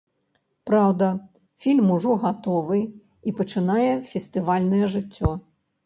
Праўда, фільм ужо гатовы і пачынае фестывальнае жыццё.